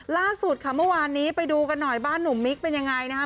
ล่าสุดค่ะเมื่อวานนี้ไปดูกันหน่อยบ้านหนุ่มมิกเป็นยังไงนะคะ